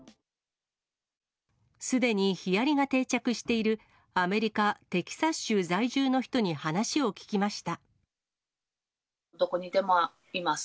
すでにヒアリが定着しているアメリカ・テキサス州在住の人に話をどこにでもいます。